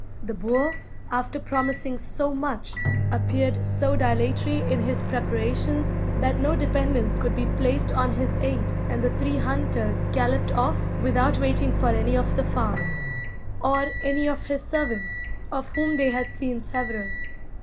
The boer, after promising so much, appeared so dilatory in his preparations that no dependence could be placed on his aid and the three hunters galloped off without waiting for any of the farm, or any of his servants, of whom they had seen several.